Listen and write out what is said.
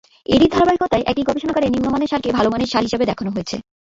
এরই ধারাবাহিকতায় একই গবেষণাগারে নিম্নমানের সারকে ভালো মানের সার হিসেবে দেখানো হয়েছে।